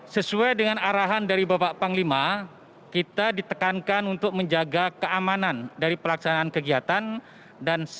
sesuai dengan arahan dari bapak panglima kita ditekankan untuk menjaga keamanan dari pelaksanaan kegiatan dan safety dari personel yang dilakukan vaksinasi